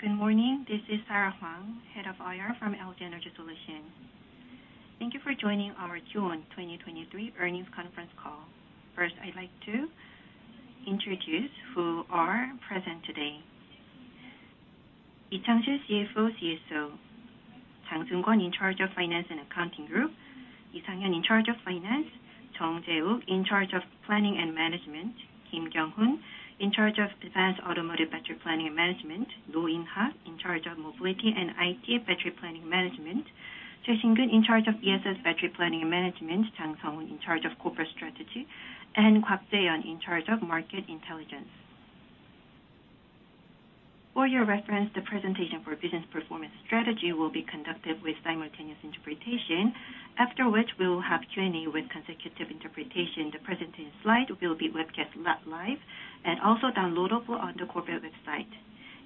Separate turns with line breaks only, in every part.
Good morning. This is Sarah Huang, Head of IR from LG Energy Solution. Thank you for joining our Q1 2023 Earnings Conference Call. First, I'd like to introduce who are present today. Lee Chang-sil, CFO, CSO. Jang Sung-kwon, in charge of Finance and Accounting group. Lee Sang-hyun, in charge of Finance. Jung Jae-uk, in charge of Planning & Management. Kim Kyung-hoon, in charge of Advanced Automotive Battery Planning & Management. Roh In-hwan, in charge of Mobility & IT Battery Planning Management. Choi Shin-kun, in charge of ESS Battery Planning & Management. Jang Sung-hoon, in charge of Corporate Strategy. Kwak Jae-yeon, in charge of Market Intelligence. For your reference, the presentation for business performance strategy will be conducted with simultaneous interpretation, after which we will have Q&A with consecutive interpretation. The presentation slide will be webcast live and also downloadable on the corporate website.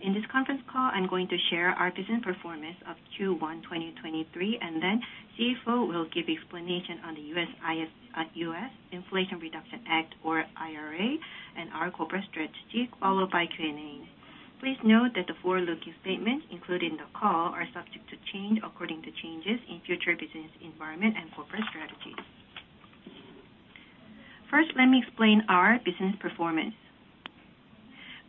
In this conference call, I'm going to share our business performance of Q1 2023, CFO will give explanation on the U.S. Inflation Reduction Act, or IRA, and our corporate strategy, followed by Q&A. Please note that the forward-looking statements included in the call are subject to change according to changes in future business environment and corporate strategies. First, let me explain our business performance.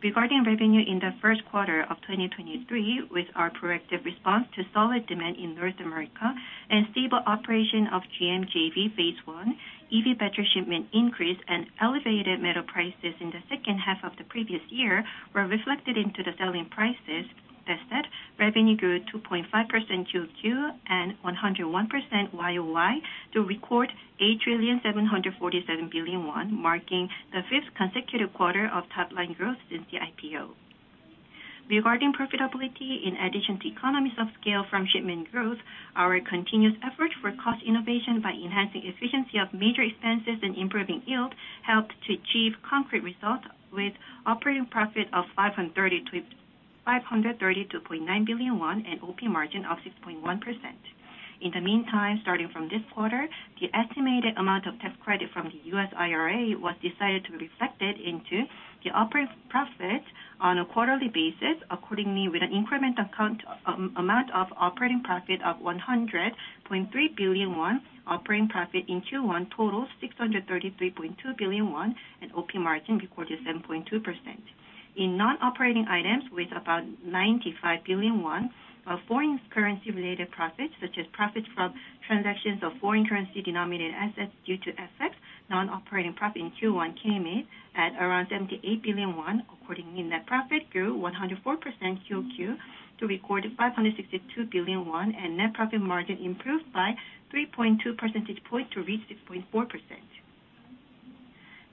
Regarding revenue in the first quarter of 2023, with our proactive response to solid demand in North America and stable operation of GM JV phase I, EV battery shipment increase and elevated metal prices in the second half of the previous year were reflected into the selling prices. That revenue grew 2.5% QoQ and 101% YoY to record 8,747 billion won, marking the fifth consecutive quarter of top line growth since the IPO. Regarding profitability, in addition to economies of scale from shipment growth, our continuous effort for cost innovation by enhancing efficiency of major expenses and improving yield helped to achieve concrete results with operating profit of 532.9 billion won and OP margin of 6.1%. In the meantime, starting from this quarter, the estimated amount of tax credit from the U.S. IRA was decided to be reflected into the operating profit on a quarterly basis. Accordingly, with an incremental amount of operating profit of 100.3 billion won, operating profit in Q1 totals 633.2 billion won, and OP margin recorded 7.2%. In non-operating items with about 95 billion won of foreign currency related profits, such as profits from transactions of foreign currency denominated assets due to FX, non-operating profit in Q1 came in at around 78 billion won. Accordingly, net profit grew 104% QoQ to record 562 billion won, and net profit margin improved by 3.2 percentage point to reach 6.4%.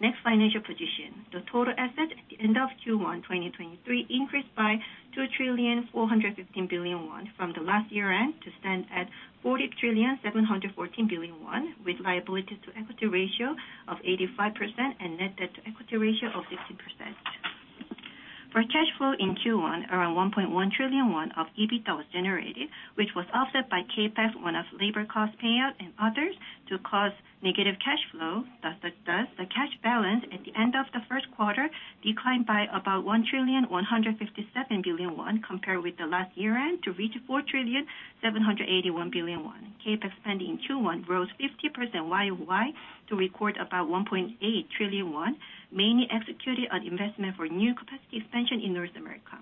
Next, financial position. The total asset at the end of Q1 2023 increased by 2,415 billion won from the last year-end to stand at 40,714 billion won, with liabilities to equity ratio of 85% and net debt to equity ratio of 16%. For cash flow in Q1, around 1.1 trillion won of EBITDA was generated, which was offset by CapEx, one-off labor cost payout and others to cause negative cash flow. Thus, the cash balance at the end of the first quarter declined by about 1,157 billion won compared with the last year-end to reach 4,781 billion won. CapEx spending in Q1 rose 50% YoY to record about 1.8 trillion won, mainly executed on investment for new capacity expansion in North America.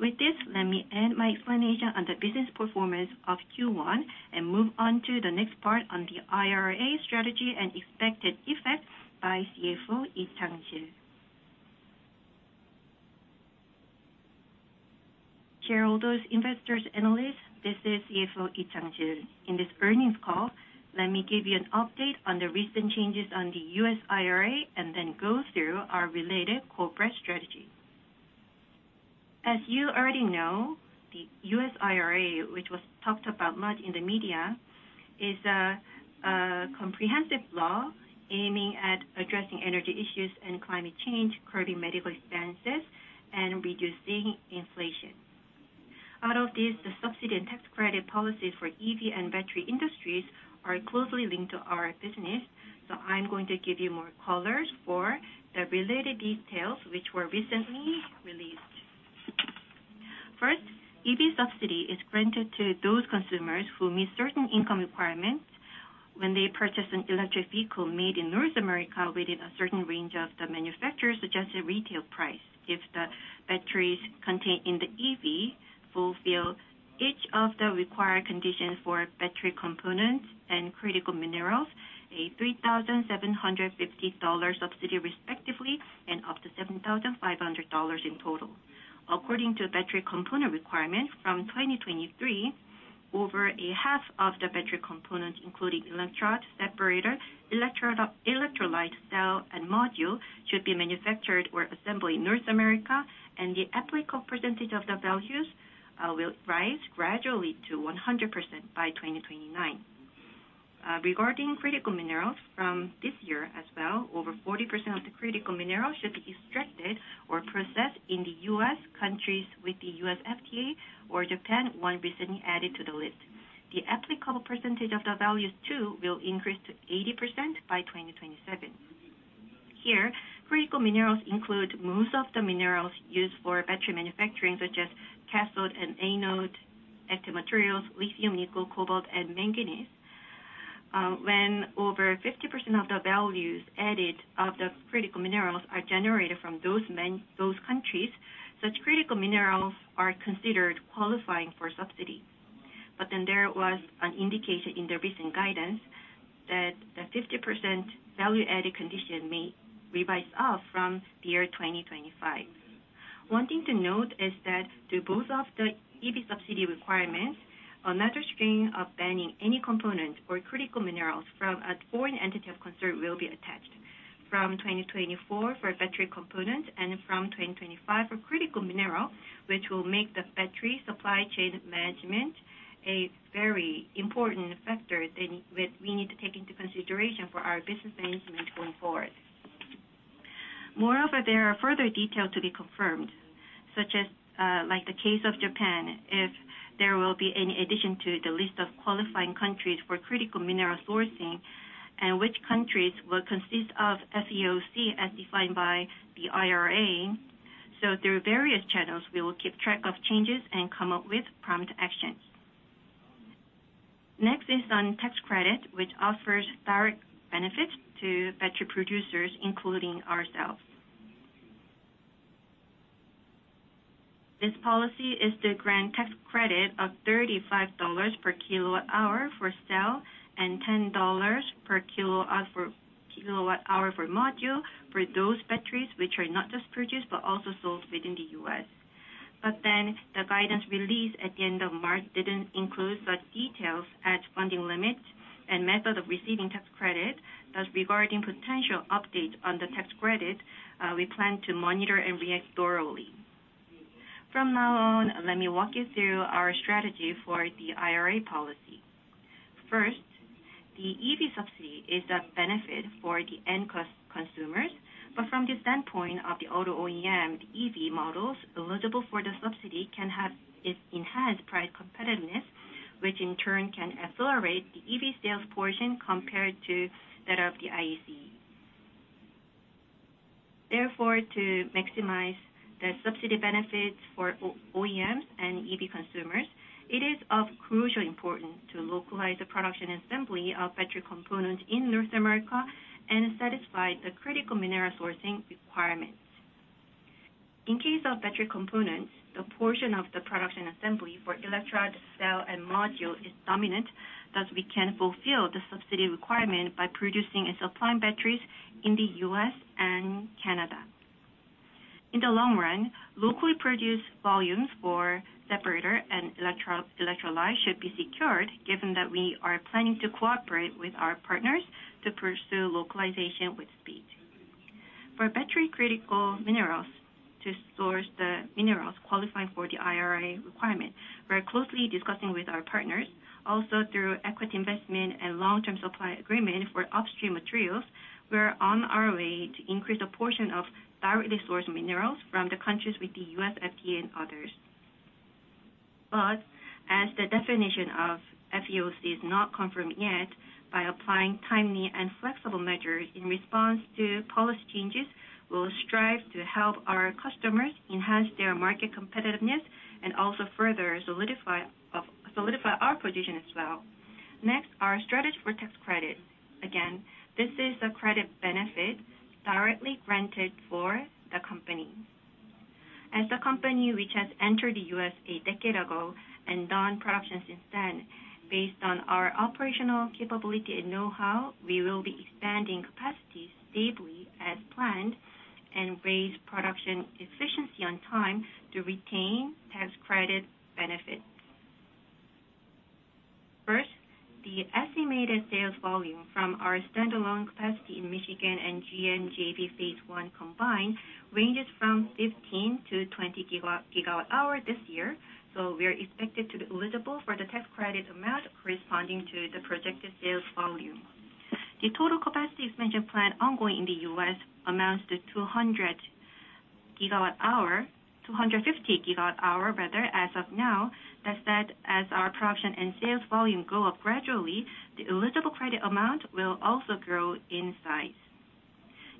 With this, let me end my explanation on the business performance of Q1 and move on to the next part on the IRA strategy and expected effects by CFO Lee Chang-sil. Shareholders, investors, analysts, this is CFO Lee Chang-sil. In this earnings call, let me give you an update on the recent changes on the U.S. IRA and then go through our related corporate strategy. As you already know, the U.S. IRA, which was talked about much in the media, is a comprehensive law aiming at addressing energy issues and climate change, curbing medical expenses and reducing inflation. Out of this, the subsidy and tax credit policies for EV and battery industries are closely linked to our business. I'm going to give you more colors for the related details which were recently released. EV subsidy is granted to those consumers who meet certain income requirements when they purchase an electric vehicle made in North America within a certain range of the manufacturer's suggested retail price. If the batteries contained in the EV fulfill each of the required conditions for battery components and critical minerals, a $3,750 subsidy respectively and up to $7,500 in total. According to battery component requirements from 2023, over a half of the battery components, including electrode, separator, electrolyte, cell and module, should be manufactured or assembled in North America, the applicable percentage of the values will rise gradually to 100% by 2029. Regarding critical minerals, from this year as well, over 40% of the critical minerals should be extracted or processed in the U.S., countries with the U.S. FTA or Japan, one recently added to the list. The applicable percentage of the values too will increase to 80% by 2027. Here, critical minerals include most of the minerals used for battery manufacturing, such as cathode and anode active materials, lithium, nickel, cobalt and manganese. When over 50% of the values added of the critical minerals are generated from those countries, such critical minerals are considered qualifying for subsidy. There was an indication in the recent guidance that the 50% value-added condition may revise up from the year 2025. One thing to note is that to both of the EV subsidy requirements, another strain of banning any components or critical minerals from a foreign entity of concern will be attached from 2024 for battery components and from 2025 for critical mineral, which will make the battery supply chain management a very important factor that we need to take into consideration for our business management going forward. There are further details to be confirmed, such as like the case of Japan, if there will be any addition to the list of qualifying countries for critical mineral sourcing and which countries will consist of FEOC as defined by the IRA. Through various channels, we will keep track of changes and come up with prompt actions. Is on tax credit, which offers direct benefits to battery producers, including ourselves. This policy is to grant tax credit of $35 per kWh for cell and $10 per kilo for kWh for module for those batteries which are not just produced but also sold within the U.S. The guidance released at the end of March didn't include such details as funding limits and method of receiving tax credit. Regarding potential updates on the tax credit, we plan to monitor and react thoroughly. Let me walk you through our strategy for the IRA policy. The EV subsidy is a benefit for the end consumers, but from the standpoint of the auto OEM, EV models eligible for the subsidy can have its enhanced price competitiveness, which in turn can accelerate the EV sales portion compared to that of the ICE. To maximize the subsidy benefits for OEMs and EV consumers, it is of crucial importance to localize the production and assembly of battery components in North America and satisfy the critical mineral sourcing requirements. In case of battery components, the portion of the production assembly for electrode, cell and module is dominant. We can fulfill the subsidy requirement by producing and supplying batteries in the U.S. and Canada. In the long run, locally produced volumes for separator and electrolyte should be secured, given that we are planning to cooperate with our partners to pursue localization with speed. For battery critical minerals to source the minerals qualifying for the IRA requirement, we're closely discussing with our partners also through equity investment and long-term supply agreement for upstream materials. We're on our way to increase the portion of directly sourced minerals from the countries with the U.S. FTA and others. As the definition of FEOC is not confirmed yet, by applying timely and flexible measures in response to policy changes, we'll strive to help our customers enhance their market competitiveness and also further solidify our position as well. Next, our strategy for tax credit. Again, this is a credit benefit directly granted for the company. As the company which has entered the U.S. a decade ago and done production since then, based on our operational capability and know-how, we will be expanding capacity stably as planned and raise production efficiency on time to retain tax credit benefits. First, the estimated sales volume from our standalone capacity in Michigan and GM JV phase I combined ranges from 15-20 gigawatt-hour this year. We are expected to be eligible for the tax credit amount corresponding to the projected sales volume. The total capacity expansion plan ongoing in the U.S. amounts to 200 gigawatt-hour, 250 gigawatt-hour rather, as of now. Thus that as our production and sales volume go up gradually, the eligible credit amount will also grow in size.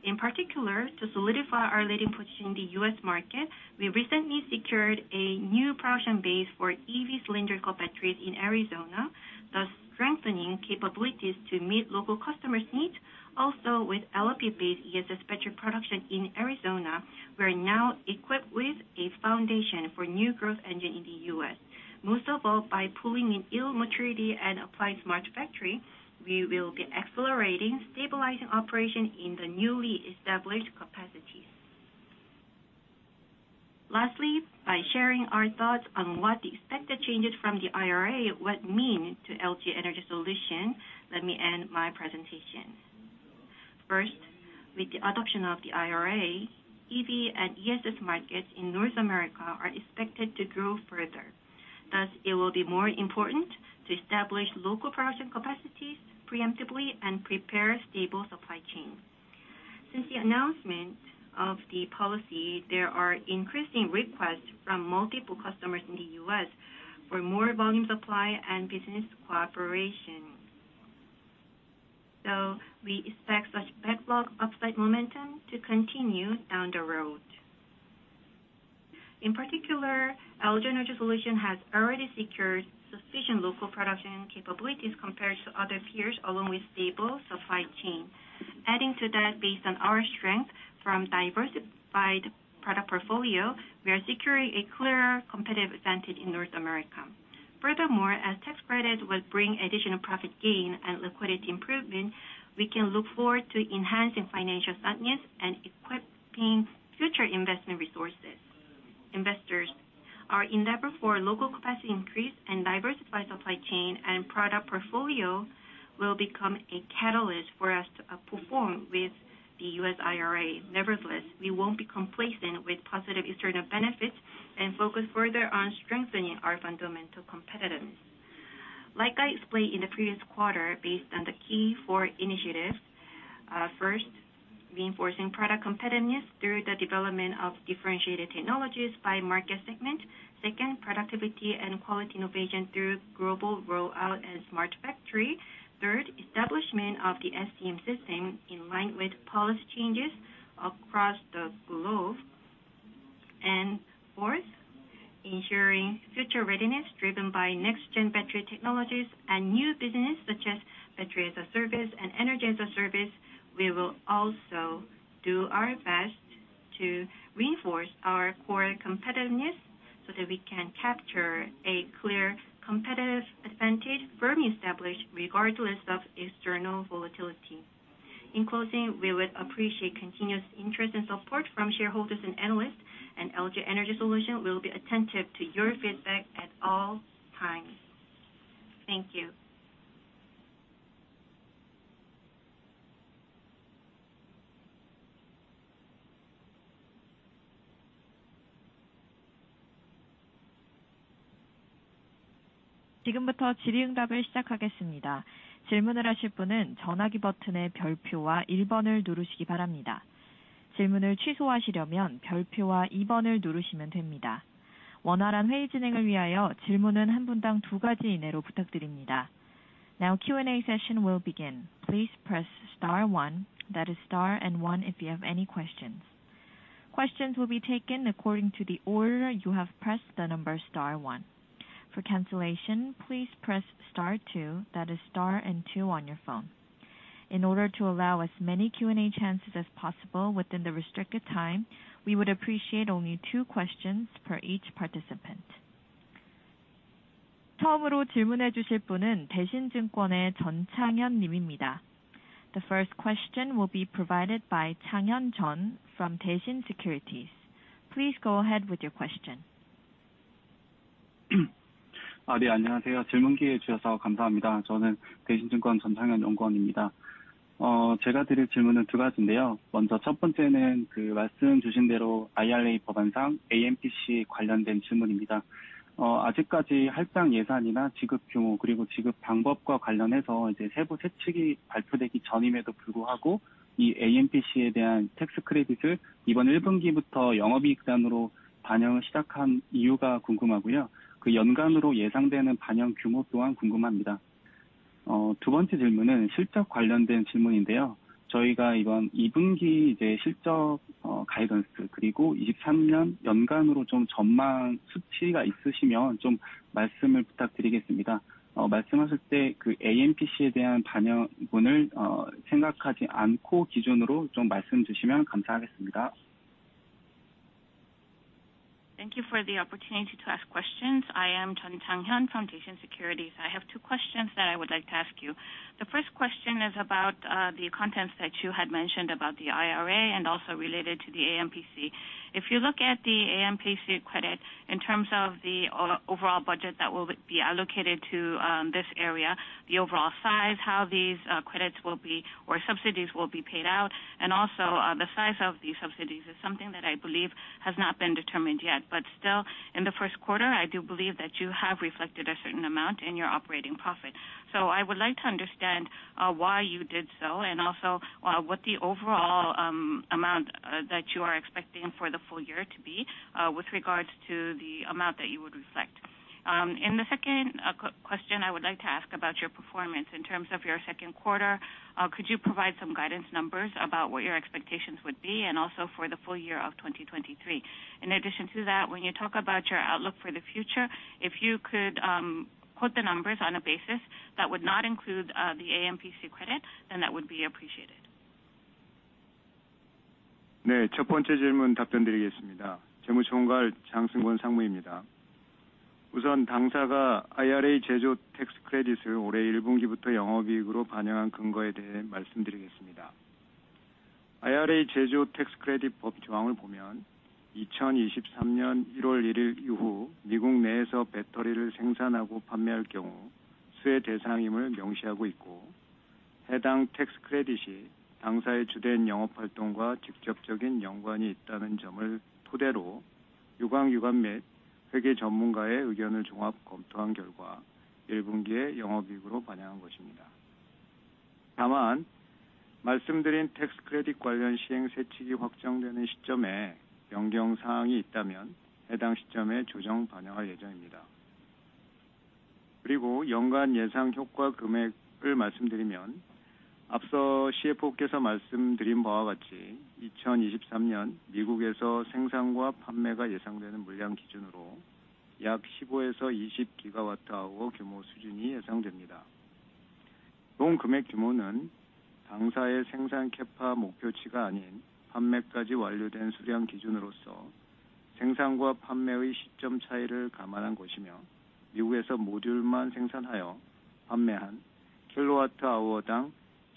In particular, to solidify our leading position in the U.S. market, we recently secured a new production base for EV cylindrical batteries in Arizona, thus strengthening capabilities to meet local customers' needs. With LFP-based ESS battery production in Arizona, we are now equipped with a foundation for new growth engine in the U.S. Most of all, by pulling in ill maturity and applying smart factory, we will be accelerating stabilizing operation in the newly established capacities. Lastly, by sharing our thoughts on what the expected changes from the IRA would mean to LG Energy Solution, let me end my presentation. First, with the adoption of the IRA, EV and ESS markets in North America are expected to grow further. It will be more important to establish local production Preemptively and prepare stable supply chain. Since the announcement of the policy, there are increasing requests from multiple customers in the U.S. for more volume supply and business cooperation. We expect such backlog upside momentum to continue down the road. In particular, LG Energy Solution has already secured sufficient local production capabilities compared to other peers, along with stable supply chain. Adding to that, based on our strength from diversified product portfolio, we are securing a clear competitive advantage in North America. As tax credit will bring additional profit gain and liquidity improvement, we can look forward to enhancing financial soundness and equipping future investment resources. Investors are endeavor for local capacity increase and diversified supply chain and product portfolio will become a catalyst for us to perform with the U.S. IRA. Nevertheless, we won't be complacent with positive external benefits and focus further on strengthening our fundamental competitiveness. Like I explained in the previous quarter, based on the key four initiatives, first, reinforcing product competitiveness through the development of differentiated technologies by market segment. Second, productivity and quality innovation through global rollout and smart factory. Third, establishment of the SCM system in line with policy changes across the globe. Fourth, ensuring future readiness driven by next gen battery technologies and new business such as battery as a service and energy as a service. We will also do our best to reinforce our core competitiveness so that we can capture a clear competitive advantage firmly established regardless of external volatility. In closing, we would appreciate continuous interest and support from shareholders and analysts, and LG Energy Solution will be attentive to your feedback at all times. Thank you.
Now Q&A session will begin. Please press star one. That is star and one if you have any questions. Questions will be taken according to the order you have pressed the number star one. For cancellation, please press star two. That is star and two on your phone. In order to allow as many Q&A chances as possible within the restricted time, we would appreciate only two questions per each participant. The first question will be provided by Haechang Chung from Daishin Securities. Please go ahead with your question.
Thank you for the opportunity to ask questions. I am Haechang Chung from Daishin Securities. I have two questions that I would like to ask you. The first question is about the contents that you had mentioned about the IRA and also related to the AMPC. If you look at the AMPC credit in terms of the overall budget that will be allocated to this area, the overall size, how these credits will be or subsidies will be paid out, and also, the size of these subsidies is something that I believe has not been determined yet. Still, in the first quarter, I do believe that you have reflected a certain amount in your operating profit. I would like to understand why you did so, and also what the overall amount that you are expecting for the full year to be with regards to the amount that you would reflect. The second question I would like to ask about your performance in terms of your second quarter, could you provide some guidance numbers about what your expectations would be and also for the full year of 2023? In addition to that, when you talk about your outlook for the future, if you could quote the numbers on a basis that would not include the AMPC credit, then that would be appreciated.
유관기관 및 회계전문가의 의견을 종합 검토한 결과 Q1에 영업이익으로 반영한 것입니다. 말씀드린 tax credit 관련 시행 세칙이 확정되는 시점에 변경 사항이 있다면 해당 시점에 조정 반영할 예정입니다. 연간 예상 효과 금액을 말씀드리면, 앞서 CFO께서 말씀드린 바와 같이 2023년 미국에서 생산과 판매가 예상되는 물량 기준으로 약 15-20 gigawatt-hour 규모 수준이 예상됩니다. 본 금액 규모는 당사의 생산 Capa 목표치가 아닌 판매까지 완료된 수량 기준으로서 생산과 판매의 시점 차이를 감안한 것이며, 미국에서 모듈만 생산하여 판매한 kilowatt-hour당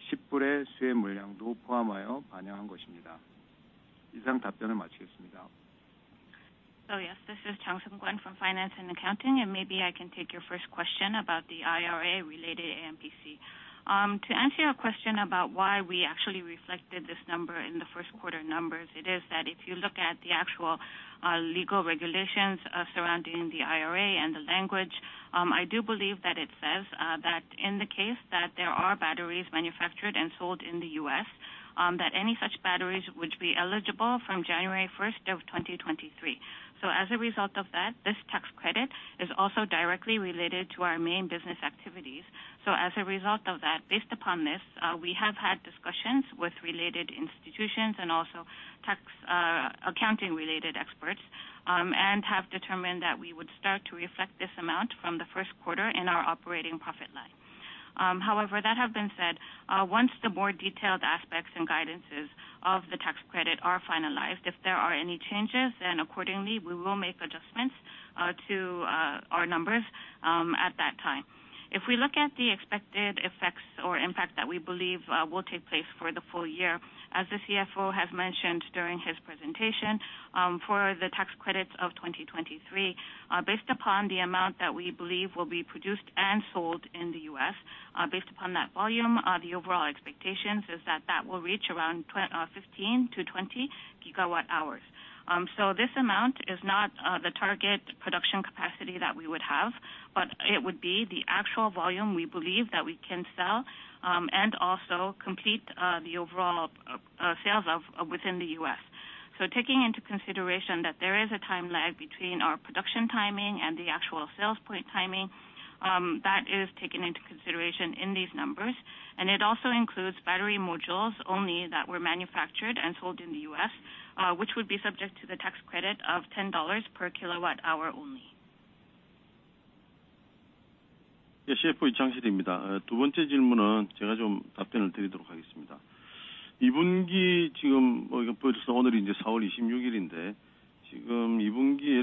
$10의 수혜 물량도 포함하여 반영한 것입니다. 이상 답변을 마치겠습니다.
Oh yes. This is 정승권 from Finance and Accounting. Maybe I can take your first question about the IRA related AMPC. To answer your question about why we actually reflected this number in the first quarter numbers, it is that if you look at the actual legal regulations surrounding the IRA and the language, I do believe that it says that in the case that there are batteries manufactured and sold in the U.S., that any such batteries would be eligible from January 1st of 2023. As a result of that, this tax credit is also directly related to our main business activities. As a result of that, based upon this, we have had discussions with related institutions and also tax accounting related experts, and have determined that we would start to reflect this amount from the first quarter in our operating profit line. However, that have been said, once the more detailed aspects and guidances of the tax credit are finalized, if there are any changes, then accordingly we will make adjustments to our numbers at that time. If we look at the expected effects or impact that we believe will take place for the full year, as the CFO has mentioned during his presentation, for the tax credits of 2023, based upon the amount that we believe will be produced and sold in the U.S., based upon that volume, the overall expectations is that will reach around 15-20 GWh. This amount is not the target production capacity that we would have, but it would be the actual volume we believe that we can sell and also complete the overall sales of within the U.S. Taking into consideration that there is a time lag between our production timing and the actual sales point timing, that is taken into consideration in these numbers, and it also includes battery modules only that were manufactured and sold in the U.S., which would be subject to the tax credit of $10 per kilowatt-hour only.
예, CFO Chang Sil Lee입니다. 두 번째 질문은 제가 좀 답변을 드리도록 하겠습니다. Q2 지금, 벌써 오늘이 이제 April 26일인데 지금 Q2에 이렇게 보면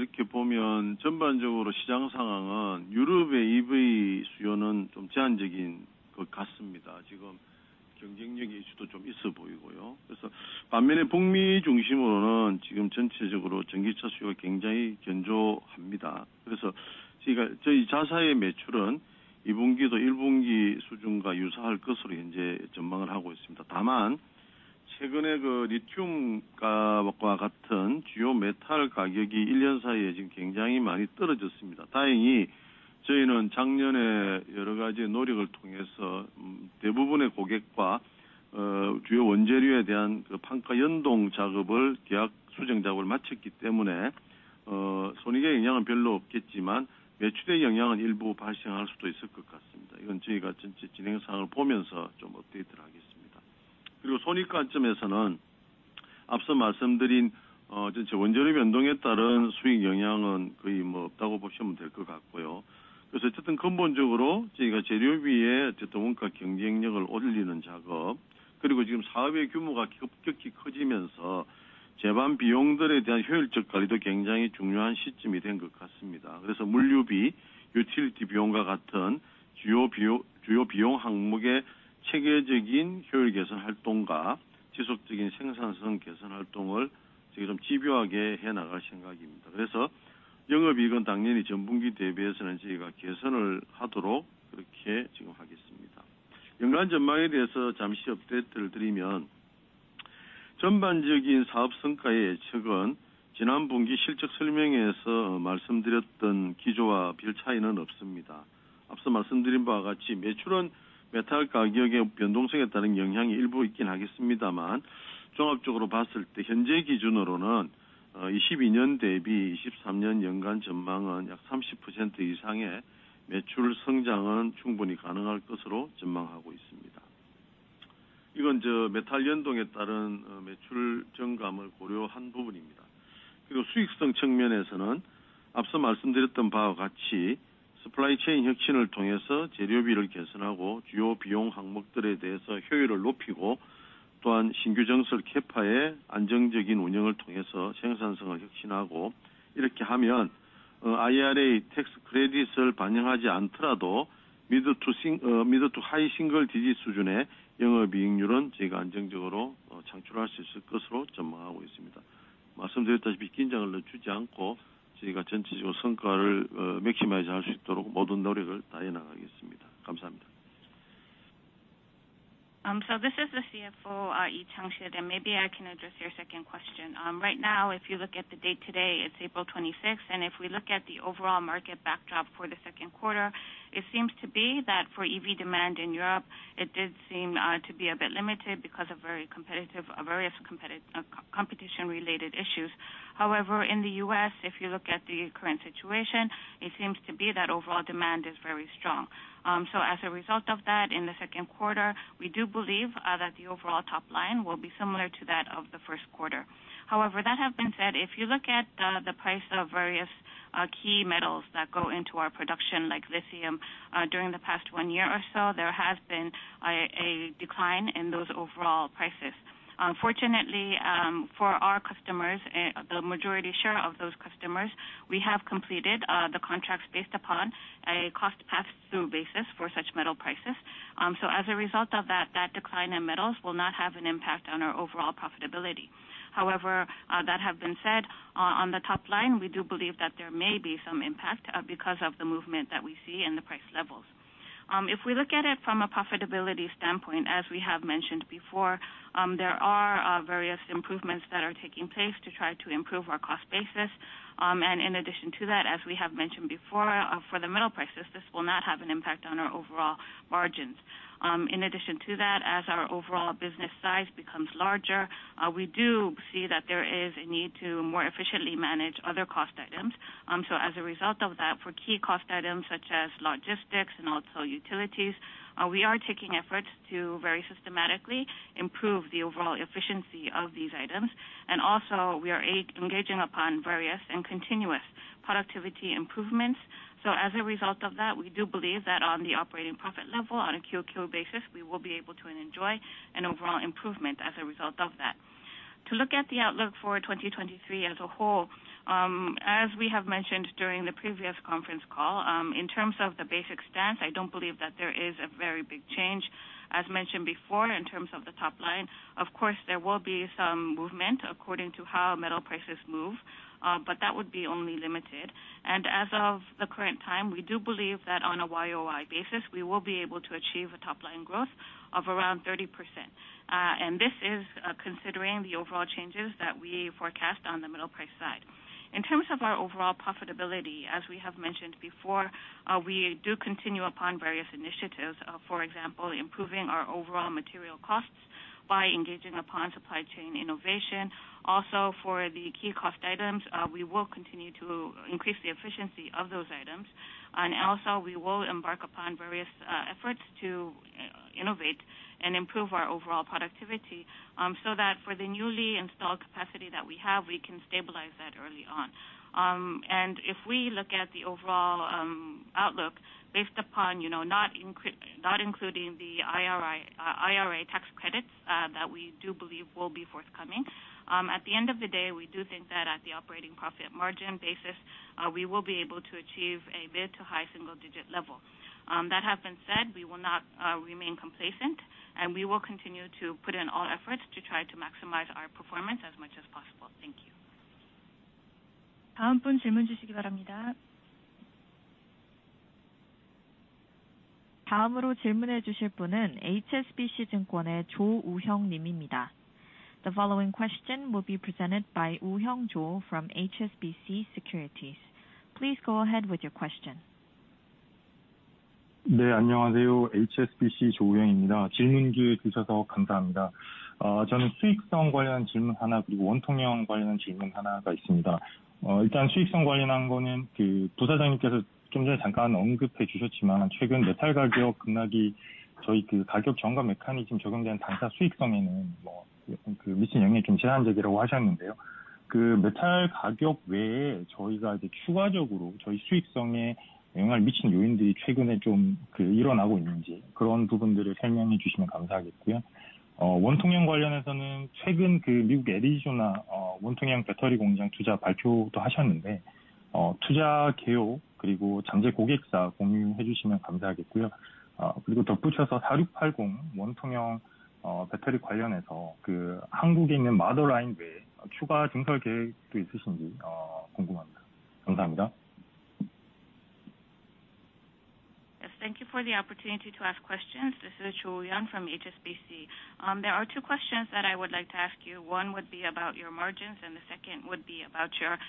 또한 신규 증설 Capa의 안정적인 운영을 통해서 생산성을 혁신하고, 이렇게 하면, IRA tax credits을 반영하지 않더라도 mid to high single digit 수준의 영업이익률은 저희가 안정적으로 창출할 수 있을 것으로 전망하고 있습니다. 말씀드렸다시피 긴장을 늦추지 않고 저희가 전체적으로 성과를 maximize 할수 있도록 모든 노력을 다해 나가겠습니다. 감사합니다.
This is the CFO, Lee Chang-sil, and maybe I can address your second question. Right now, if you look at the date today, it's April 26th, and if we look at the overall market backdrop for the second quarter, it seems to be that for EV demand in Europe, it did seem to be a bit limited because of very competitive, various competition related issues. However, in the U.S., if you look at the current situation, it seems to be that overall demand is very strong. As a result of that, in the second quarter, we do believe that the overall top line will be similar to that of the first quarter. However, that have been said, if you look at the price of various key metals that go into our production, like lithium, during the past one year or so, there has been a decline in those overall prices. Unfortunately, for our customers, the majority share of those customers, we have completed the contracts based upon a cost pass-through basis for such metal prices. As a result of that decline in metals will not have an impact on our overall profitability. However, that have been said, on the top line, we do believe that there may be some impact because of the movement that we see in the price levels. If we look at it from a profitability standpoint, as we have mentioned before, there are various improvements that are taking place to try to improve our cost basis. In addition to that, as we have mentioned before, for the metal prices, this will not have an impact on our overall margins. In addition to that, as our overall business size becomes larger, we do see that there is a need to more efficiently manage other cost items. As a result of that, for key cost items such as logistics and also utilities, we are taking efforts to very systematically improve the overall efficiency of these items. Also we are engaging upon various and continuous productivity improvements. As a result of that, we do believe that on the operating profit level, on a QoQ basis, we will be able to enjoy an overall improvement as a result of that. To look at the outlook for 2023 as a whole, as we have mentioned during the previous conference call, in terms of the basic stance, I don't believe that there is a very big change. As mentioned before, in terms of the top line, of course there will be some movement according to how metal prices move, but that would be only limited. As of the current time, we do believe that on a YoY basis, we will be able to achieve a top line growth of around 30%. And this is considering the overall changes that we forecast on the metal price side. In terms of our overall profitability, as we have mentioned before, we do continue upon various initiatives, for example, improving our overall material costs by engaging upon supply chain innovation. Also, for the key cost items, we will continue to increase the efficiency of those items. Also, we will embark upon various efforts to innovate and improve our overall productivity, so that for the newly installed capacity that we have, we can stabilize that early on. If we look at the overall outlook based upon, you know, not including the IRA tax credits, that we do believe will be forthcoming, at the end of the day, we do think that at the operating profit margin basis, we will be able to achieve a mid to high single digit level. That has been said, we will not remain complacent, and we will continue to put in all efforts to try to maximize our performance as much as possible. Thank you.
The following question will be presented by Woohyeong Cho from HSBC Securities. Please go ahead with your question.
Yes. Thank you for the opportunity to ask questions. This is Woohyeong from HSBC. There are two questions that I would like to ask you. One would be about your margins and the second would be about your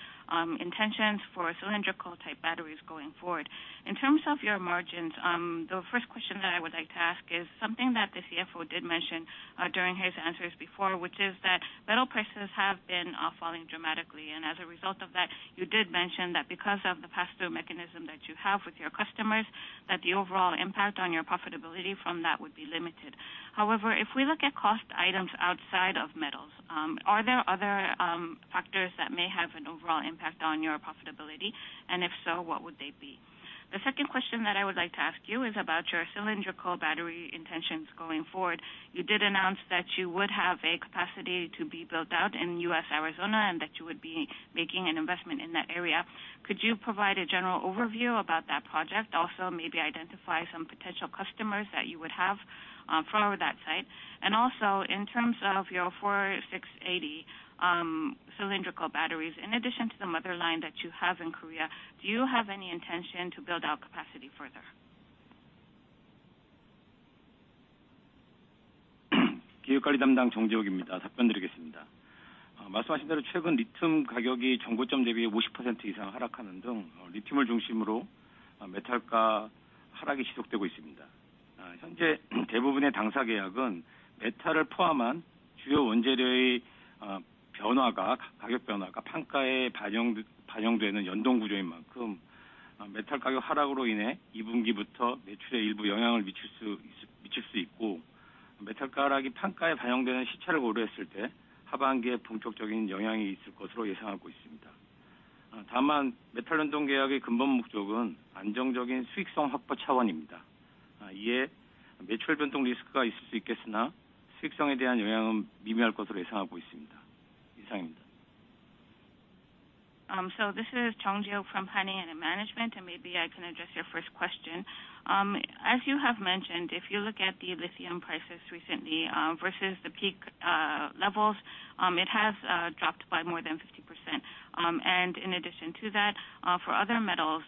intentions for cylindrical type batteries going forward. In terms of your margins, the first question that I would like to ask is something that the CFO did mention during his answers before, which is that metal prices have been falling dramatically. As a result of that, you did mention that because of the pass-through mechanism that you have with your customers, that the overall impact on your profitability from that would be limited. However, if we look at cost items outside of metals, are there other factors that may have an overall impact on your profitability? If so, what would they be? The second question that I would like to ask you is about your cylindrical battery intentions going forward. You did announce that you would have a capacity to be built out in U.S., Arizona, and that you would be making an investment in that area. Could you provide a general overview about that project? Also maybe identify some potential customers that you would have for that site. Also in terms of your 4680 cylindrical batteries, in addition to the mother line that you have in Korea, do you have any intention to build out capacity further? This is Jung Jae-uk from Planning & Management, and maybe I can address your first question. As you have mentioned, if you look at the lithium prices recently, versus the peak levels, it has dropped by more than 50%. In addition to that, for other metals,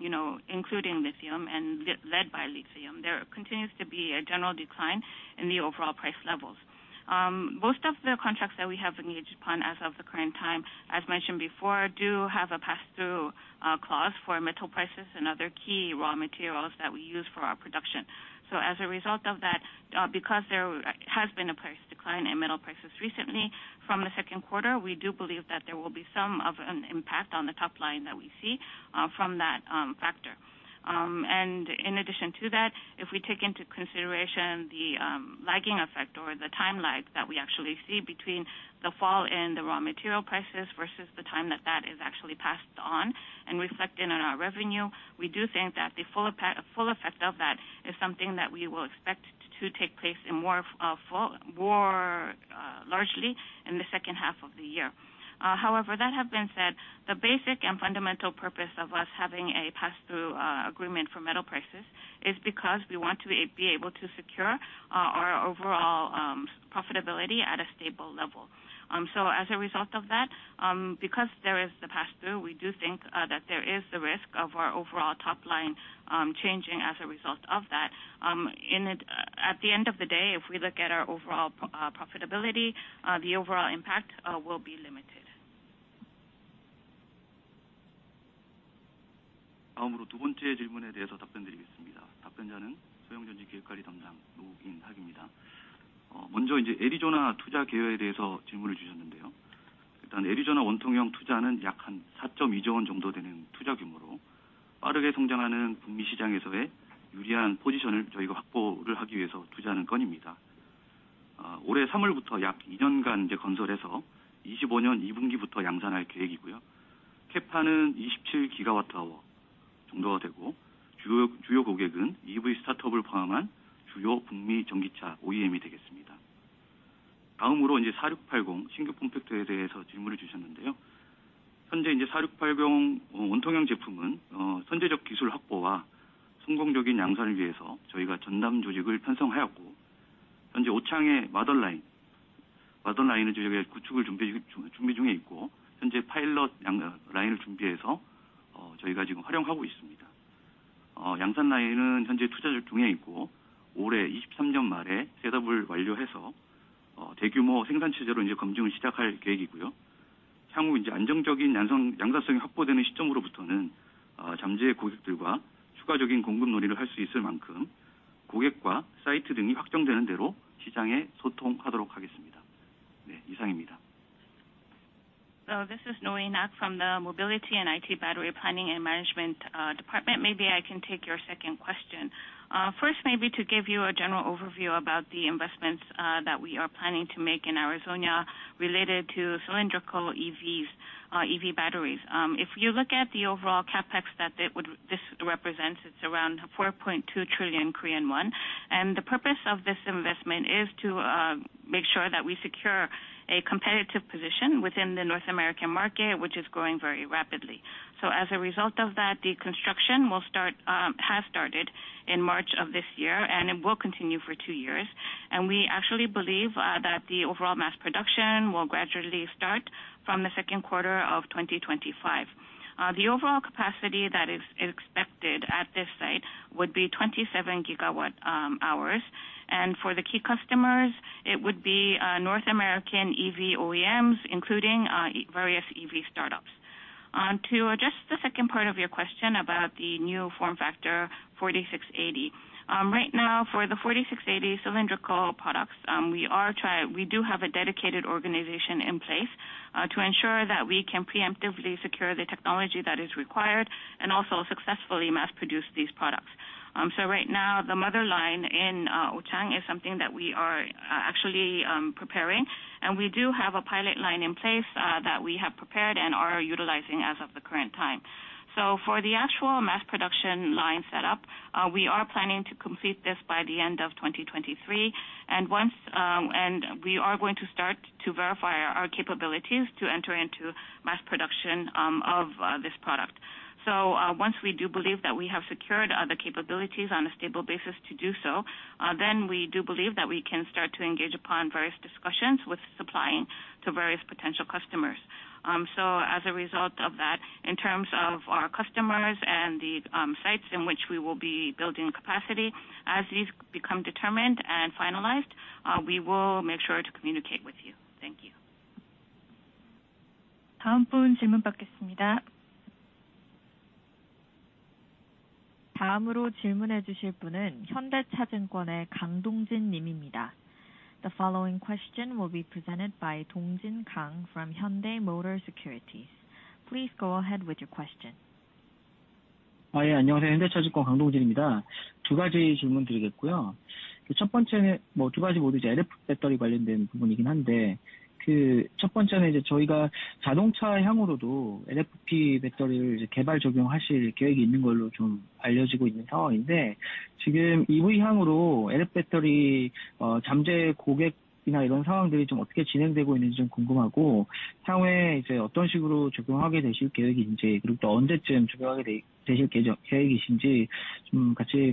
you know, including lithium and led by lithium, there continues to be a general decline in the overall price levels. Most of the contracts that we have engaged upon as of the current time, as mentioned before, do have a pass-through clause for metal prices and other key raw materials that we use for our production. As a result of that, because there has been a price decline in metal prices recently from the second quarter, we do believe that there will be some of an impact on the top line that we see from that factor. In addition to that, if we take into consideration the lagging effect or the time lag that we actually see between the fall in the raw material prices versus the time that that is actually passed on and reflected in our revenue, we do think that the full effect of that is something that we will expect to take place in more largely in the second half of the year. However, that have been said, the basic and fundamental purpose of us having a pass-through agreement for metal prices is because we want to be able to secure our overall profitability at a stable level. As a result of that, because there is the pass-through, we do think that there is the risk of our overall top line changing as a result of that. At the end of the day, if we look at our overall profitability, the overall impact will be limited. This is [Roh In-hwan] from the Mobility and IT Battery Planning and Management Department. Maybe I can take your second question. First, maybe to give you a general overview about the investments that we are planning to make in Arizona related to cylindrical EVs, EV batteries. If you look at the overall CapEx that this represents, it's around 4.2 trillion Korean won. The purpose of this investment is to make sure that we secure a competitive position within the North American market, which is growing very rapidly. As a result of that, the construction has started in March of this year, and it will continue for two years. We actually believe that the overall mass production will gradually start from the second quarter of 2025. The overall capacity that is expected at this site would be 27 GWh. For the key customers, it would be North American EV OEMs, including various EV startups. On to address the second part of your question about the new form factor 4680. Right now for the 4680 cylindrical products, we are. We do have a dedicated organization in place to ensure that we can preemptively secure the technology that is required and also successfully mass produce these products. Right now the mother line in Ochang is something that we are actually preparing, and we do have a pilot line in place that we have prepared and are utilizing as of the current time. For the actual mass production line set up, we are planning to complete this by the end of 2023. Once we are going to start to verify our capabilities to enter into mass production of this product. Once we do believe that we have secured the capabilities on a stable basis to do so, then we do believe that we can start to engage upon various discussions with supplying to various potential customers. As a result of that, in terms of our customers and the sites in which we will be building capacity, as these become determined and finalized, we will make sure to communicate with you. Thank you.
The following question will be presented by Dongjin Kang from Hyundai Motor Securities. Please go ahead with your question.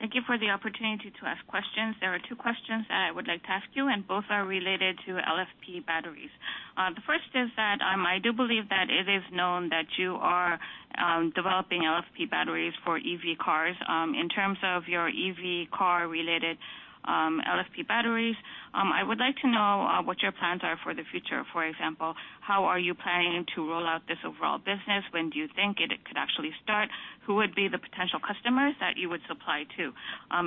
Thank you for the opportunity to ask questions. There are two questions that I would like to ask you. Both are related to LFP batteries. The first is that, I do believe that it is known that you are developing LFP batteries for EV cars. In terms of your EV car related, LFP batteries, I would like to know what your plans are for the future. For example, how are you planning to roll out this overall business? When do you think it could actually start? Who would be the potential customers that you would supply to?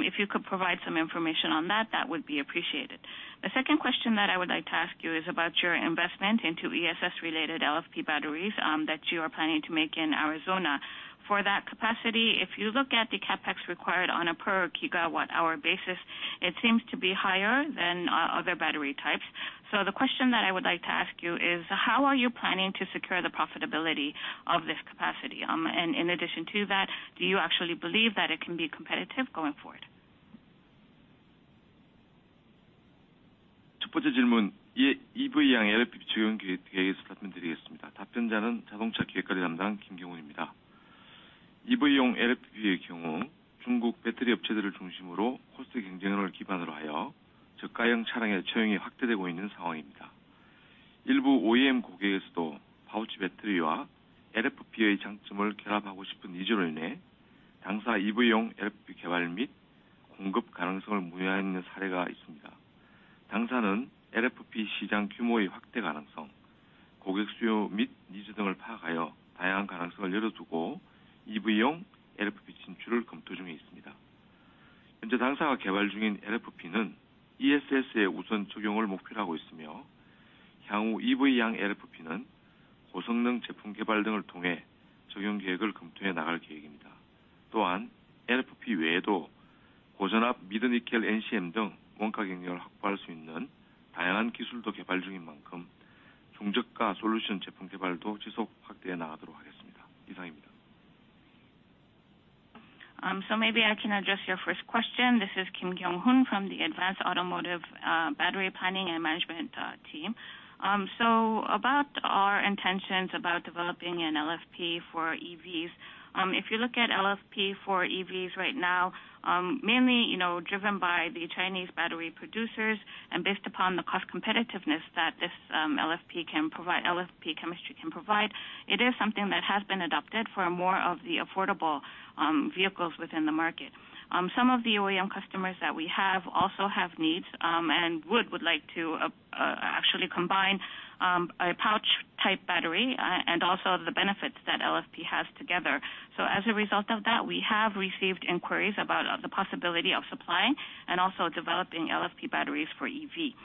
If you could provide some information on that would be appreciated. The second question that I would like to ask you is about your investment into ESS related LFP batteries, that you are planning to make in Arizona. For that capacity, if you look at the CapEx required on a per gigawatt-hour basis, it seems to be higher than other battery types. The question that I would like to ask you is, how are you planning to secure the profitability of this capacity? In addition to that, do you actually believe that it can be competitive going forward? Maybe I can address your first question. This is Kim Kyung-hoon from the Advanced Automotive Battery Planning and Management team. About our intentions about developing an LFP for EVs. If you look at LFP for EVs right now, mainly, you know, driven by the Chinese battery producers and based upon the cost competitiveness that this LFP can provide, LFP chemistry can provide, it is something that has been adopted for more of the affordable vehicles within the market. Some of the OEM customers that we have also have needs and would like to actually combine a pouch type battery and also the benefits that LFP has together. As a result of that, we have received inquiries about the possibility of supplying and also developing LFP batteries for EV.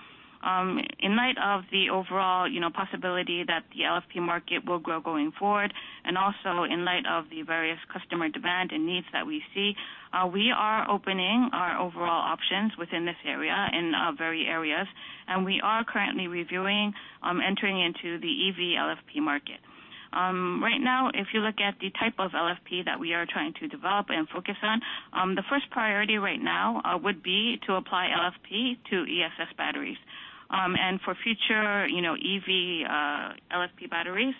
In light of the overall, you know, possibility that the LFP market will grow going forward and also in light of the various customer demand and needs that we see, we are opening our overall options within this area in very areas, and we are currently reviewing entering into the EV LFP market. Right now, if you look at the type of LFP that we are trying to develop and focus on, the first priority right now would be to apply LFP to ESS batteries. And for future, EV LFP batteries,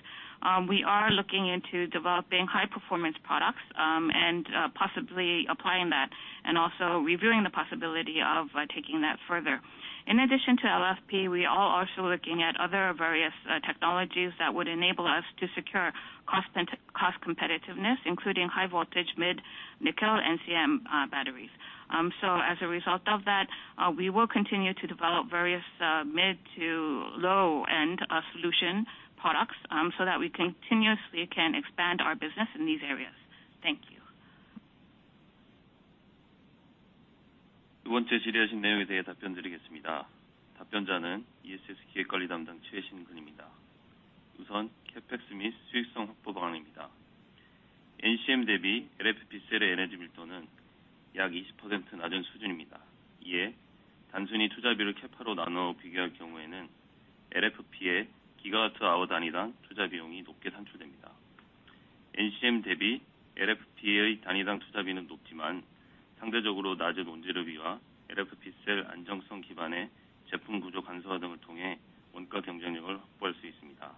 we are looking into developing high performance products, and possibly applying that and also reviewing the possibility of taking that further. In addition to LFP, we are also looking at other various technologies that would enable us to secure cost competitiveness, including high voltage mid-nickel NCM batteries. As a result of that, we will continue to develop various mid to low end solution products, so that we continuously can expand our business in these areas. Thank you.
NCM 대비 LFP 셀의 에너지 밀도는 약 20% 낮은 수준입니다. 단순히 투자비를 Capa로 나누어 비교할 경우에는 LFP의 gigawatt-hour 단위당 투자 비용이 높게 산출됩니다. NCM 대비 LFP의 단위당 투자비는 높지만, 상대적으로 낮은 원재료비와 LFP 셀 안정성 기반의 제품 구조 간소화 등을 통해 원가 경쟁력을 확보할 수 있습니다.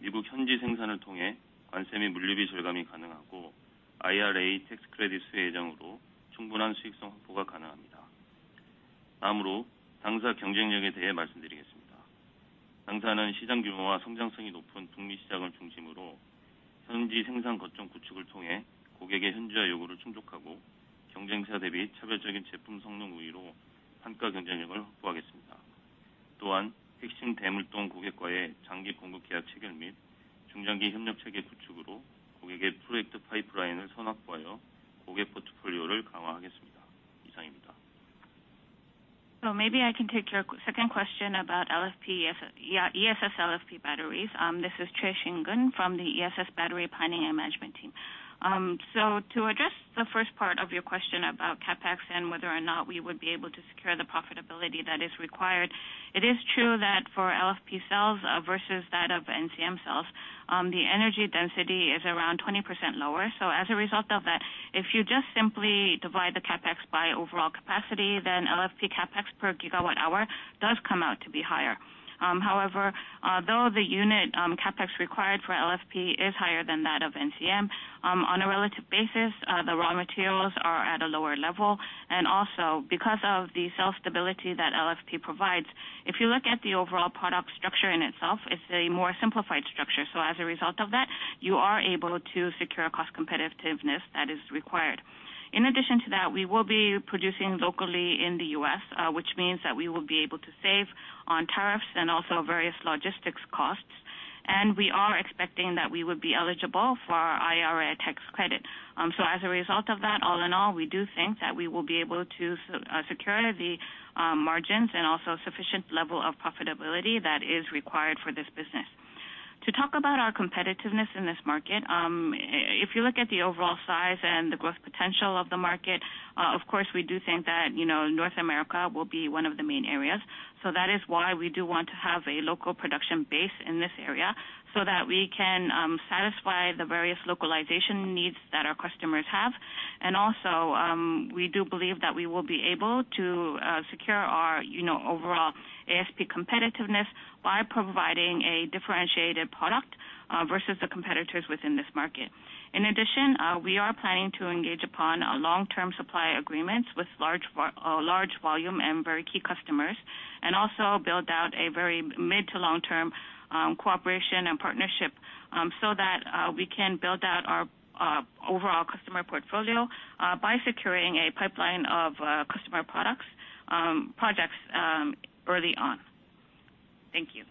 미국 현지 생산을 통해 관세 및 물류비 절감이 가능하고 IRA tax credit 수혜 예정으로 충분한 수익성 확보가 가능합니다. 다음으로 당사 경쟁력에 대해 말씀드리겠습니다. 당사는 시장 규모와 성장성이 높은 North American 시장을 중심으로 현지 생산 거점 구축을 통해 고객의 현지화 요구를 충족하고, 경쟁사 대비 차별적인 제품 성능 우위로 단가 경쟁력을 확보하겠습니다. 핵심 대물동 고객과의 장기 공급 계약 체결 및 중장기 협력 체계 구축으로 고객의 프로젝트 파이프라인을 선확보하여 고객 포트폴리오를 강화하겠습니다. 이상입니다.
Maybe I can take your second question about LFP, yeah, ESS LFP batteries. This is Choi Shin-kun from the ESS Battery Planning and Management team. To address the first part of your question about CapEx and whether or not we would be able to secure the profitability that is required, it is true that for LFP cells, versus that of NCM cells, the energy density is around 20% lower. As a result of that, if you just simply divide the CapEx by overall capacity, then LFP CapEx per gigawatt-hour does come out to be higher. However, though the unit CapEx required for LFP is higher than that of NCM, on a relative basis, the raw materials are at a lower level. Also because of the cell stability that LFP provides, if you look at the overall product structure in itself, it's a more simplified structure. As a result of that, you are able to secure cost competitiveness that is required. In addition to that, we will be producing locally in the U.S., which means that we will be able to save on tariffs and also various logistics costs, and we are expecting that we would be eligible for IRA tax credit. As a result of that, all in all, we do think that we will be able to secure the margins and also sufficient level of profitability that is required for this business. To talk about our competitiveness in this market, if you look at the overall size and the growth potential of the market, of course, we do think that, you know, North America will be one of the main areas. That is why we do want to have a local production base in this area, so that we can satisfy the various localization needs that our customers have. Also, we do believe that we will be able to secure our, you know, overall ASP competitiveness by providing a differentiated product versus the competitors within this market. In addition, we are planning to engage upon long-term supply agreements with large volume and very key customers, and also build out a very mid to long-term cooperation and partnership, so that we can build out our overall customer portfolio, by securing a pipeline of customer products, projects, early on. Thank you.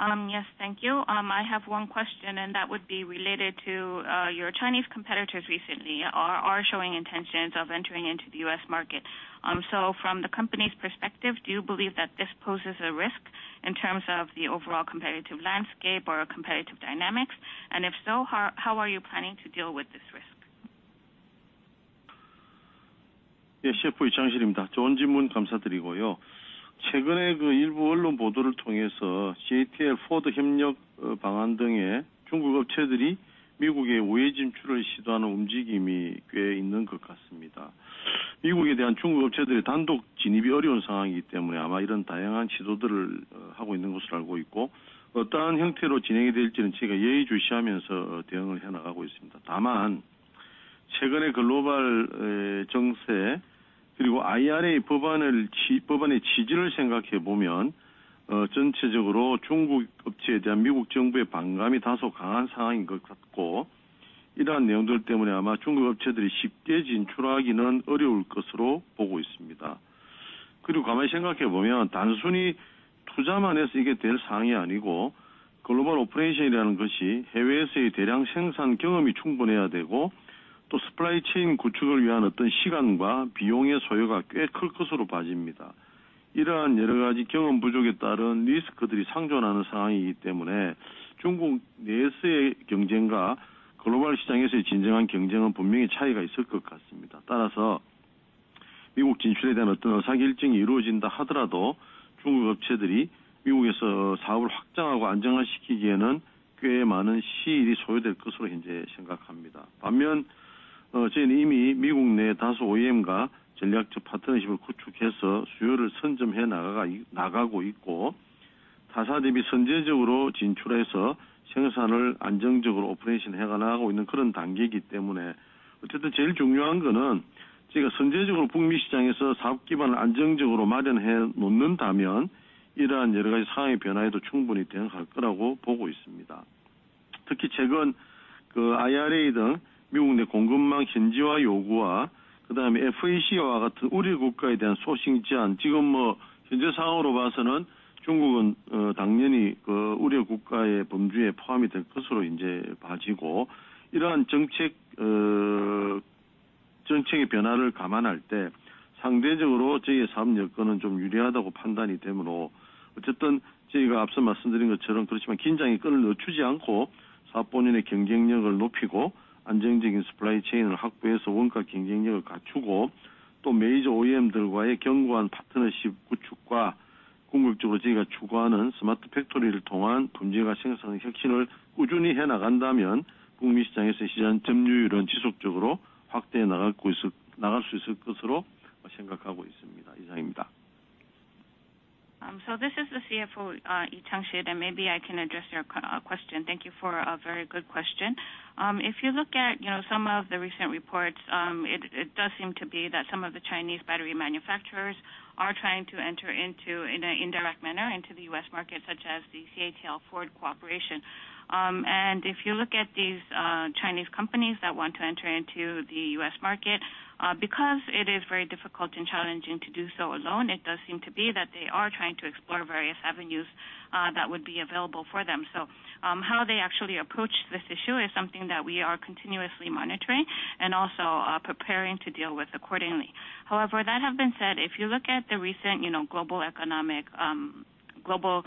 Yes, thank you. I have one question, and that would be related to your Chinese competitors recently are showing intentions of entering into the U.S. market. From the company's perspective, do you believe that this poses a risk in terms of the overall competitive landscape or competitive dynamics? If so, how are you planning to deal with this risk?
Yes, CFO Chang-sil.
This is the CFO Lee Chang-sil, and maybe I can address your question. Thank you for a very good question. If you look at, you know, some of the recent reports, it does seem to be that some of the Chinese battery manufacturers are trying to enter into, in an indirect manner, into the U.S. market, such as the CATL-Ford cooperation. If you look at these Chinese companies that want to enter into the U.S. market, because it is very difficult and challenging to do so alone, it does seem to be that they are trying to explore various avenues that would be available for them. How they actually approach this issue is something that we are continuously monitoring and also preparing to deal with accordingly. That have been said, if you look at the recent, you know, global economic, global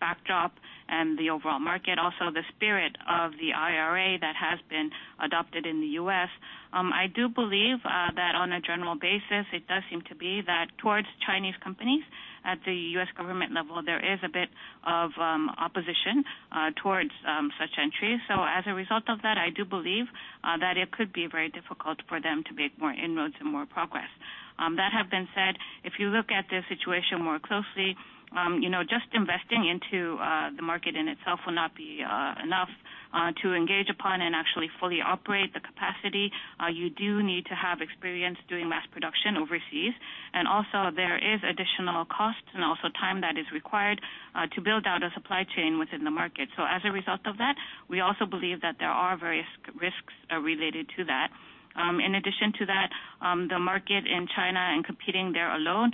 backdrop and the overall market, also the spirit of the IRA that has been adopted in the U.S., I do believe that on a general basis, it does seem to be that towards Chinese companies at the U.S. government level, there is a bit of opposition towards such entries. As a result of that, I do believe that it could be very difficult for them to make more inroads and more progress. That have been said, if you look at the situation more closely, you know, just investing into the market in itself will not be enough to engage upon and actually fully operate the capacity. You do need to have experience doing mass production overseas, and also there is additional costs and also time that is required to build out a supply chain within the market. As a result of that, we also believe that there are various risks related to that. In addition to that, the market in China and competing there alone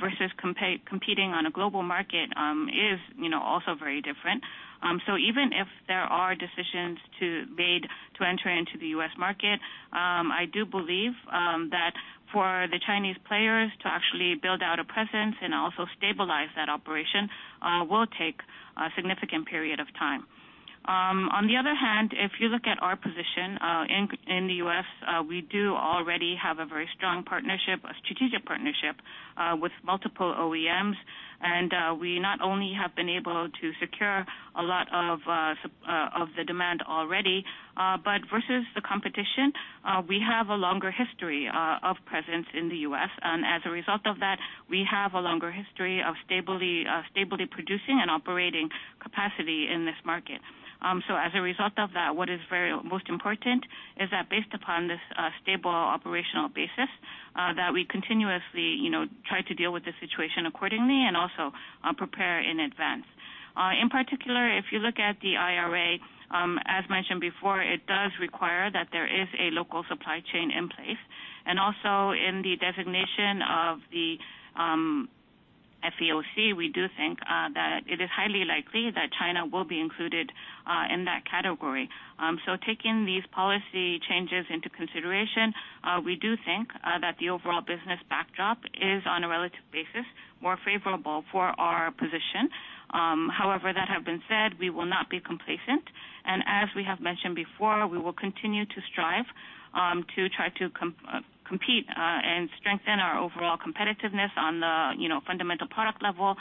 versus competing on a global market is, you know, also very different. Even if there are decisions to made to enter into the U.S. market, I do believe that for the Chinese players to actually build out a presence and also stabilize that operation will take a significant period of time. On the other hand, if you look at our position in the U.S., we do already have a very strong partnership, a strategic partnership with multiple OEMs. We not only have been able to secure a lot of the demand already, but versus the competition, we have a longer history of presence in the U.S. As a result of that, we have a longer history of stably producing and operating capacity in this market. As a result of that, what is very most important is that based upon this stable operational basis, that we continuously, you know, try to deal with the situation accordingly and also prepare in advance. In particular, if you look at the IRA, as mentioned before, it does require that there is a local supply chain in place. Also in the designation of the FEOC, we do think that it is highly likely that China will be included in that category. Taking these policy changes into consideration, we do think that the overall business backdrop is on a relative basis, more favorable for our position. However, that have been said, we will not be complacent. As we have mentioned before, we will continue to strive to try to compete and strengthen our overall competitiveness on the, you know, fundamental product level.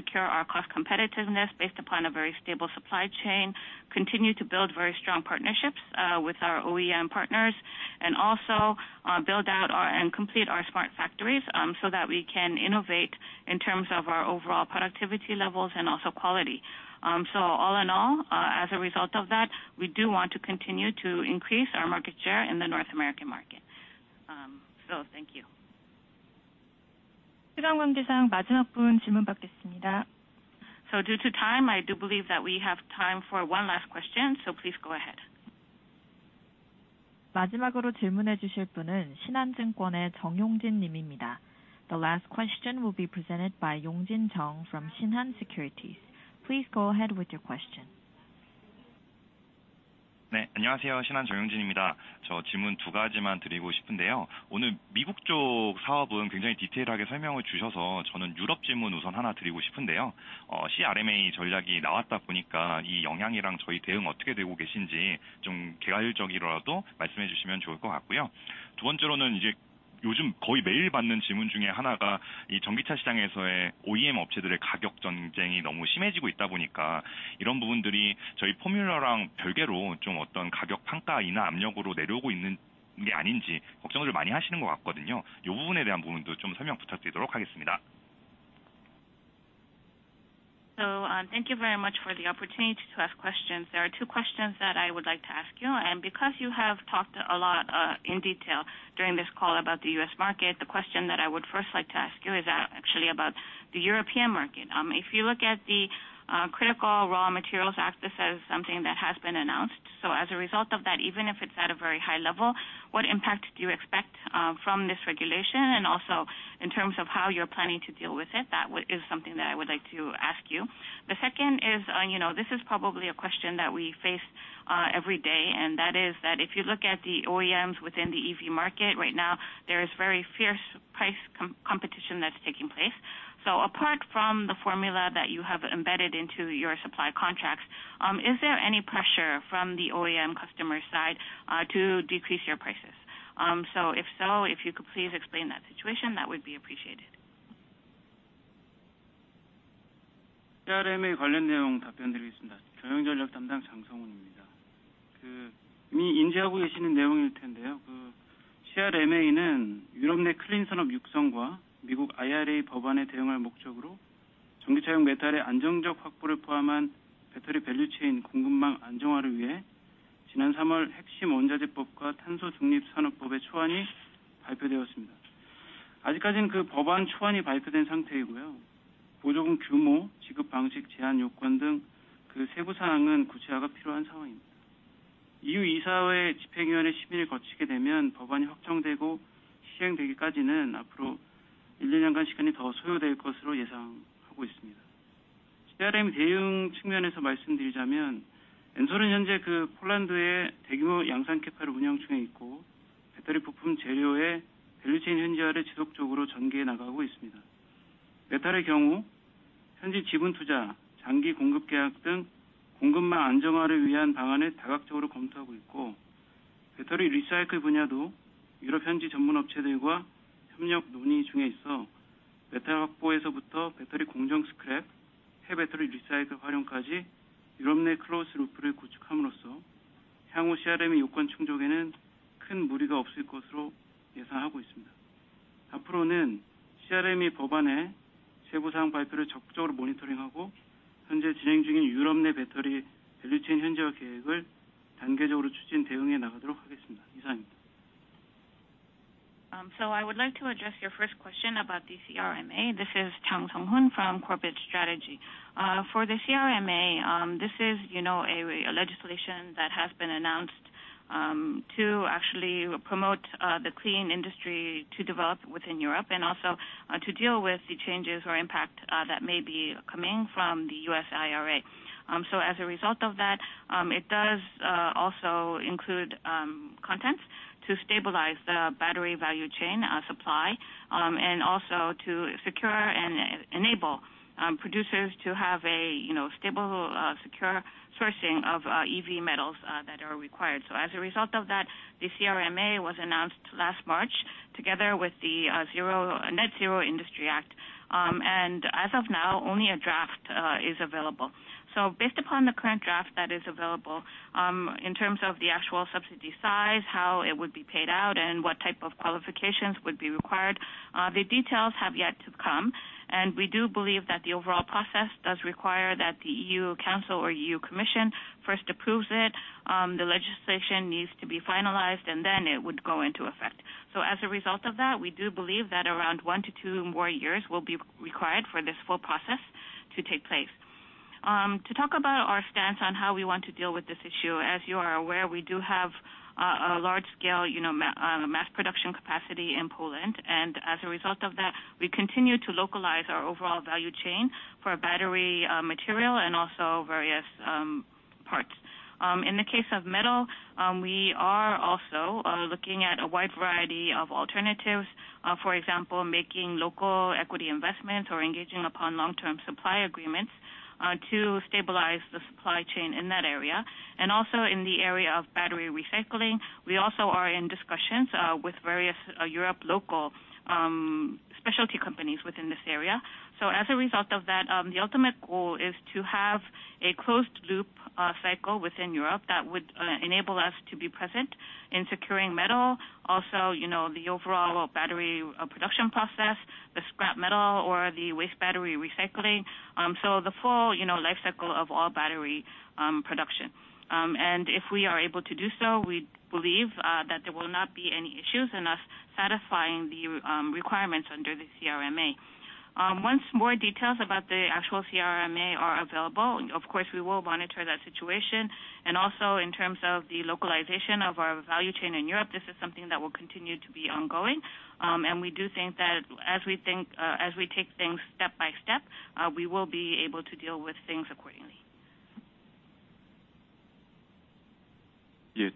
Secure our cost competitiveness based upon a very stable supply chain, continue to build very strong partnerships with our OEM partners and also build out our and complete our smart factories so that we can innovate in terms of our overall productivity levels and also quality. All in all, as a result of that, we do want to continue to increase our market share in the North American market. Thank you. Due to time, I do believe that we have time for one last question, so please go ahead.
The last question will be presented by [Jung Yong-jin] from Shinhan Securities. Please go ahead with your question.
Thank you very much for the opportunity to ask questions. There are two questions that I would like to ask you. Because you have talked a lot in detail during this call about the U.S. market, the question that I would first like to ask you is actually about the European market. If you look at the Critical Raw Materials Act, this is something that has been announced. As a result of that, even if it's at a very high level, what impact do you expect from this regulation? Also in terms of how you're planning to deal with it, is something that I would like to ask you. The second is, you know, this is probably a question that we face every day, and that is that if you look at the OEMs within the EV market right now, there is very fierce price competition that's taking place. Apart from the formula that you have embedded into your supply contracts, is there any pressure from the OEM customer side to decrease your prices? If so, if you could please explain that situation, that would be appreciated. I would like to address your first question about the CRMA. This is Jang Sung-hoon from Corporate Strategy. For the CRMA, this is, you know, a legislation that has been announced to actually promote the clean industry to develop within Europe and also to deal with the changes or impact that may be coming from the IRA. As a result of that, it does also include contents to stabilize the battery value chain supply and also to secure and e-enable producers to have a, you know, stable, secure sourcing of EV metals that are required. As a result of that, the CRMA was announced last March together with the Net-Zero Industry Act. As of now, only a draft is available. Based upon the current draft that is available, in terms of the actual subsidy size, how it would be paid out, and what type of qualifications would be required, the details have yet to come. We do believe that the overall process does require that the EU Council or EU Commission first approves it, the legislation needs to be finalized, and then it would go into effect. As a result of that, we do believe that around 1-2 more years will be required for this full process to take place. To talk about our stance on how we want to deal with this issue, as you are aware, we do have a large scale, you know, mass production capacity in Poland. As a result of that, we continue to localize our overall value chain for battery material and also various parts. In the case of metal, we are also looking at a wide variety of alternatives. For example, making local equity investments or engaging upon long-term supply agreements to stabilize the supply chain in that area. Also in the area of battery recycling, we also are in discussions with various Europe local specialty companies within this area. As a result of that, the ultimate goal is to have a closed loop cycle within Europe that would enable us to be present in securing metal, also, you know, the overall battery production process, the scrap metal or the waste battery recycling, so the full, you know, life cycle of all battery production. If we are able to do so, we believe that there will not be any issues in us satisfying the requirements under the CRMA. Once more details about the actual CRMA are available, of course, we will monitor that situation. Also in terms of the localization of our value chain in Europe, this is something that will continue to be ongoing. We do think that as we take things step by step, we will be able to deal with things accordingly. Maybe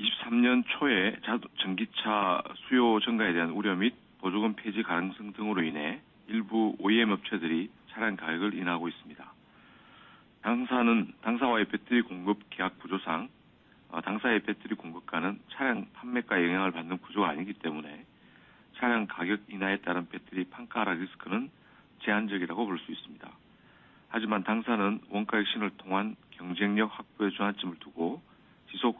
I can address your second question about whether there has been any requests from our OEM clients to decrease our overall price levels. This is Kim Kyung-hoon from the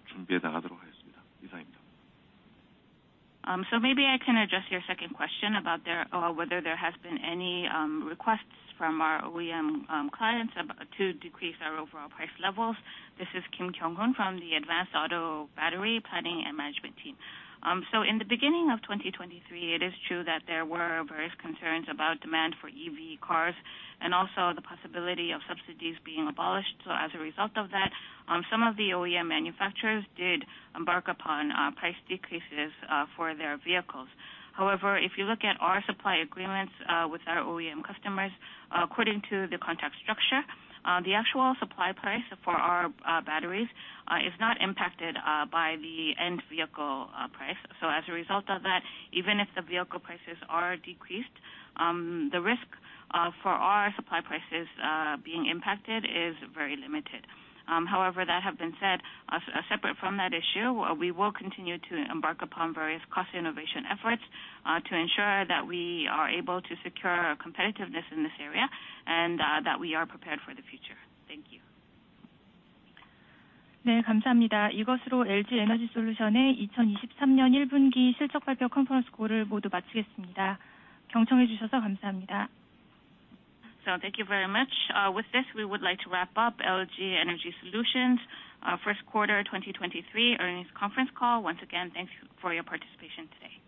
Advanced Automotive Battery Planning and Management team. In the beginning of 2023, it is true that there were various concerns about demand for EV cars and also the possibility of subsidies being abolished. As a result of that, some of the OEM manufacturers did embark upon price decreases for their vehicles. However, if you look at our supply agreements with our OEM customers, according to the contract structure, the actual supply price for our batteries is not impacted by the end vehicle price. As a result of that, even if the vehicle prices are decreased, the risk for our supply prices being impacted is very limited. However, that have been said, separate from that issue, we will continue to embark upon various cost innovation efforts, to ensure that we are able to secure competitiveness in this area and, that we are prepared for the future. Thank you. Thank you very much. With this, we would like to wrap up LG Energy Solution's first quarter 2023 earnings conference call. Once again, thanks for your participation today.